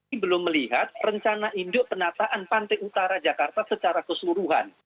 kami belum melihat rencana induk penataan pantai utara jakarta secara keseluruhan